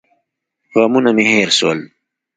غمونه مې هېر سول.